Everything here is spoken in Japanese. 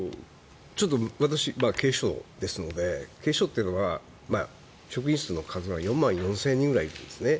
私、警視庁ですので警視庁というのは職員の数が４万４０００人ぐらいいるんですね。